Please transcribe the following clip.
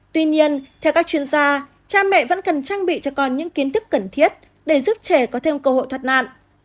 tuy nhiên theo các chuyên gia cha mẹ vẫn cần trang bị cho con những kiến thức cần thiết để giúp trẻ có thêm cơ hội thoát nạn